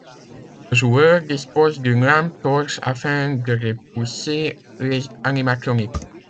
Le joueur dispose d'une lampe torche afin de repousser les animatroniques.